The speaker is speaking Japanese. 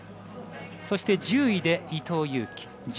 そして、１０位で伊藤有希。